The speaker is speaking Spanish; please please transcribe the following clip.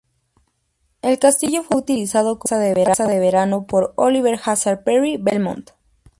El castillo fue utilizado como casa de verano por Oliver Hazard Perry Belmont.